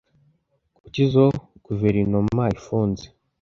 Kuki izoi guverinoma ifunze?